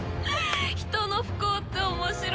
人の不幸って面白い！